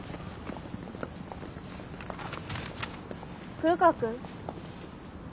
黒川くん？